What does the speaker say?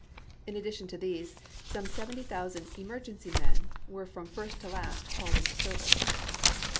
In addition to these some seventy thousand " emergency men " were from first to last called into service.